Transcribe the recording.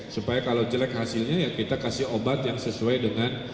supaya kalau jelek hasilnya ya kita kasih obat yang sesuai dengan